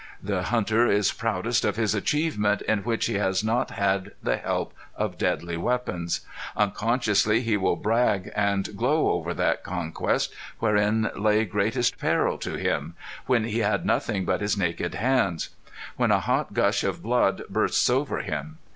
The hunter is proudest of his achievement in which he has not had the help of deadly weapons. Unconsciously he will brag and glow over that conquest wherein lay greatest peril to him when he had nothing but his naked hands. What a hot gush of blood bursts over him!